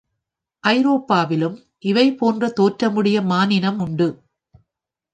ஐரோப்பாவிலும் இவை போன்ற தோற்றமுடைய மானினம் உண்டு.